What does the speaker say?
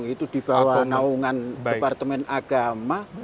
itu di bawah naungan departemen agama